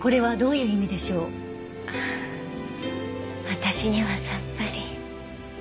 私にはさっぱり。